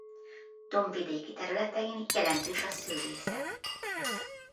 Dombvidéki területein jelentős a szőlészet.